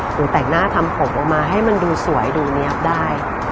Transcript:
หรือแต่งหน้าทำผมออกมาให้มันดูสวยดูเนี๊ยบได้